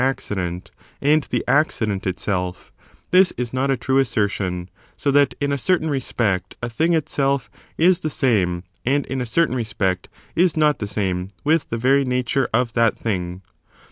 accident and the accident itself, this is not a true assertion ; so that in a certain respect a thing itself is the same, and in a certain respect is not the same, with the very nature of that thing.